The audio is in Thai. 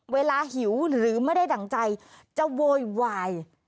หิวหรือไม่ได้ดั่งใจจะโวยวาย